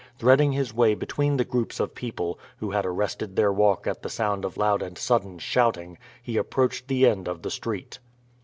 Threading his way between the groups of people, who had arrested their walk at the sound of loud and sudden shouting, he approached the end of the street.